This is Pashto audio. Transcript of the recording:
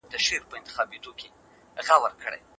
ما ويل چي پرمختګ وخت غواړي.